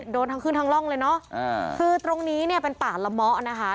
โดนทั้งขึ้นทั้งร่องเลยเนอะคือตรงนี้เนี่ยเป็นป่าละเมาะนะคะ